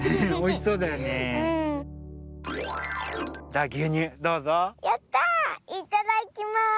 いただきます！